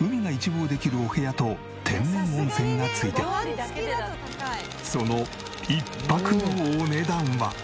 海が一望できるお部屋と天然温泉がついてその１泊のお値段は。